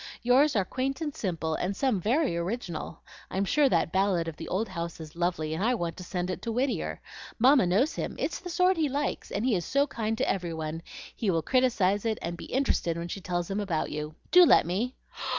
Yours are quaint and simple and some very original. I'm sure that ballad of the old house is lovely, and I want to send it to Whittier. Mamma knows him; it's the sort he likes, and he is so kind to every one, he will criticise it, and be interested when she tells him about you. Do let me!"